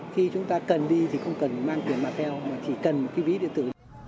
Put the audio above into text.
khi chúng ta cần đi thì không cần mang tiền mặt theo mà chỉ cần một cái ví điện tử